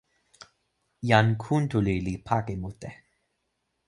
jan Kuntuli li pake mute.